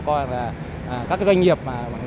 các cái doanh nghiệp